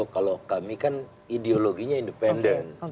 kalau kami kan ideologinya independen